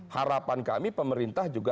harapan kami pemerintah juga